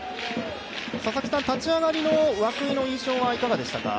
立ち上がりの涌井の印象はいかがでしたか。